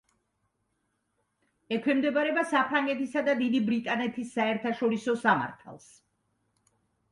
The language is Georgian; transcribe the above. ექვემდებარება საფრანგეთისა და დიდი ბრიტანეთის საერთაშორისო სამართალს.